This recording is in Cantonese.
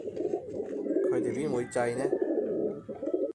佢哋邊會䎺呢